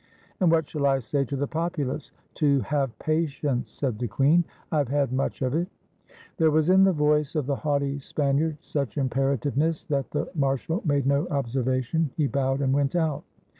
"And what shall I say to the populace?" *'To have patience," said the queen; "I have had much of it." There was in the voice of the haughty Spaniard such imperativeness that the marshal made no observation; he bowed and went out.